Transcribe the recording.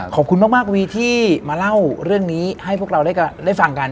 ขอบคุณมากวีที่มาเล่าเรื่องนี้ให้พวกเราได้ฟังกัน